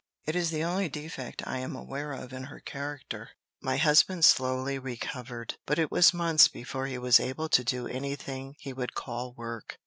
It is the only defect I am aware of in her character. My husband slowly recovered, but it was months before he was able to do any thing he would call work.